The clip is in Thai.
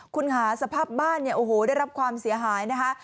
คุณหาสภาพบ้านได้รับความเสียหายนะคะ